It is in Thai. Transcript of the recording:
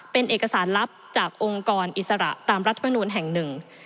เป็นเอกสารลับจากองค์กรอิสระตามรัฐมนูลแห่งหนึ่ง